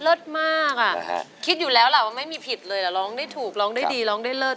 มากอ่ะคิดอยู่แล้วล่ะว่าไม่มีผิดเลยแต่ร้องได้ถูกร้องได้ดีร้องได้เลิศ